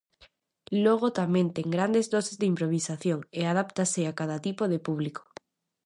Logo tamén ten grandes doses de improvisación e adáptase a cada tipo de público.